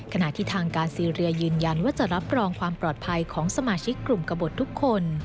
ขณะที่ทางการซีเรียยืนยันว่าจะรับรองความปลอดภัยของสมาชิกกลุ่มกระบดทุกคน